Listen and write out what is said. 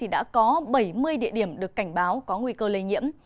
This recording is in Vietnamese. đã có bảy mươi địa điểm được cảnh báo có nguy cơ lây nhiễm